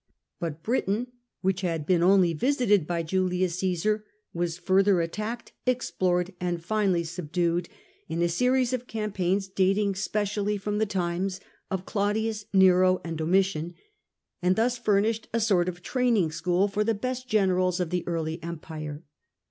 But Britain, which had been only visited by Julius Caesar, was further attacked, explored, and finally subdued in a series of campaigns dating specially from the times of Claudius, Nero, and Domitian, and thus furnished a sort of training school for the best generals of the early Empire.